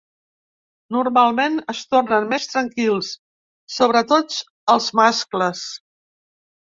Normalment es tornen més tranquils, sobretot els mascles.